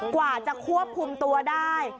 กว่าจะควบคุมตัวได้